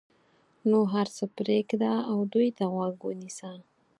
نو هر څه پرېږده او دوی ته غوږ ونیسه.